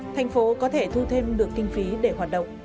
thành phố có thể thu thêm được kinh phí để hoạt động